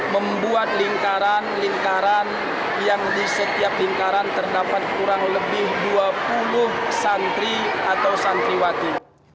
membuat lingkaran lingkaran yang di setiap lingkaran terdapat kurang lebih dua puluh santri atau santriwati